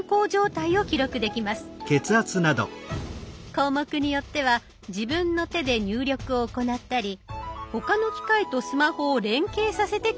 項目によっては自分の手で入力を行ったり他の機械とスマホを連携させて記録します。